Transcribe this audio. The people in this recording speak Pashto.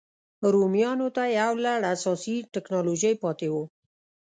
رومیانو ته یو لړ اساسي ټکنالوژۍ پاتې وو.